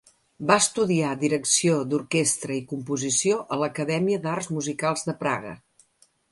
Va estudiar direcció d'orquestra i composició a l'Acadèmia d'Arts Musicals de Praga.